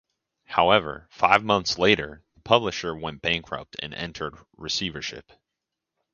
However, five months later, the publisher went bankrupt and entered receivership.